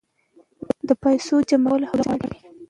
د پیسو جمع کول حوصله غواړي.